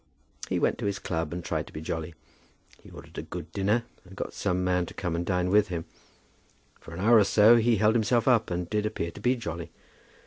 He went to his club, and tried to be jolly. He ordered a good dinner, and got some man to come and dine with him. For an hour or so he held himself up, and did appear to be jolly.